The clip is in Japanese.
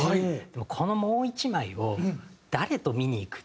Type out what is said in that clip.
このもう１枚を誰と見に行く。